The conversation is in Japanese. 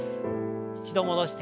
一度戻して。